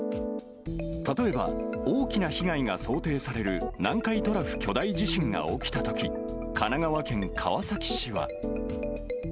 例えば、大きな被害が想定される南海トラフ巨大地震が起きたとき、神奈川県川崎市は。